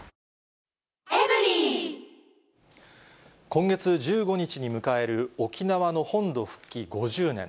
今月１５日に迎える沖縄の本土復帰５０年。